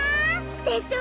でしょ！